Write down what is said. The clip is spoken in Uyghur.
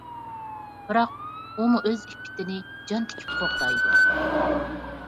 بىراق، ئۇمۇ ئۆز ئىپپىتىنى جان تىكىپ قوغدايدۇ.